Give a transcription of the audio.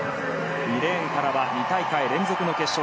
２レーンからは２大会連続の決勝